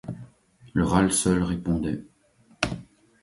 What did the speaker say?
Le râle seul répondait.